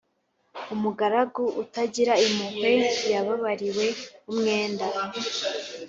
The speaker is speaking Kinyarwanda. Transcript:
umugaragu utagira impuhwe, yababariwe umwenda